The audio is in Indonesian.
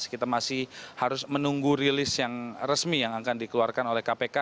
kita masih harus menunggu rilis yang resmi yang akan dikeluarkan oleh kpk